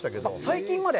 最近まで？